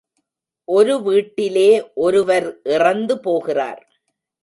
ஒரு வீட்டிலே ஒருவர் இறந்து போகிறார்.